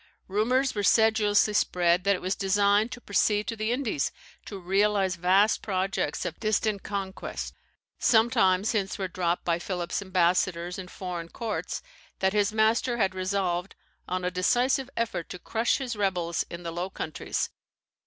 Rumours were sedulously spread that it was designed to proceed to the Indies to realize vast projects of distant conquest. Sometimes hints were dropped by Philip's ambassadors in foreign courts, that his master had resolved on a decisive effort to crush his rebels in the Low Countries.